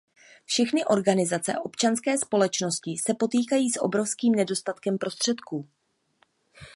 Všechny organizace občanské společnosti se potýkají s obrovským nedostatkem prostředků.